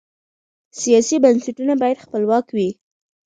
سیاسي بنسټونه باید خپلواک وي